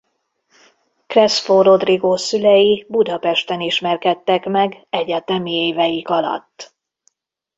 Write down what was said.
Crespo Rodrigo szülei Budapesten ismerkedtek meg egyetemi éveik alatt.